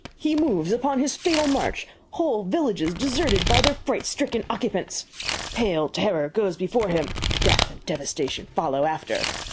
HE MOVES UPON HIS FATAL MARCH! WHOLE VILLAGES DESERTED BY THEIR FRIGHT STRICKEN OCCUPANTS! PALE TERROR GOES BEFORE HIM, DEATH AND DEVASTATION FOLLOW AFTER!